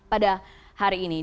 pada hari ini